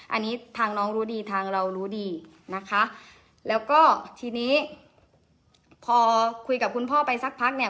อันนี้ทางน้องรู้ดีทางเรารู้ดีนะคะแล้วก็ทีนี้พอคุยกับคุณพ่อไปสักพักเนี่ย